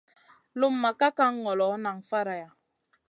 Lumʼma ka kan ŋolo, nan faraiya.